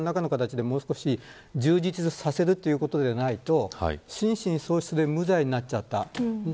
ただそっちの方を何らかの形でもう少し充実させるということにならないと心神喪失で無罪になっちゃった。